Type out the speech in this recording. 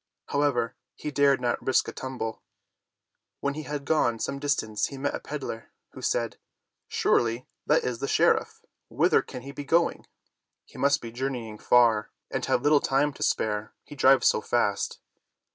However, he dared not risk a tum ble. When he had gone some distance he met a peddler, who said: "Surely, that is the sheriff. Whither can he be going? He must be journeying far and have little time to spare, he drives so fast."